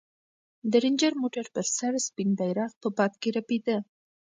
د رنجر موټر پر سر سپین بیرغ په باد کې رپېده.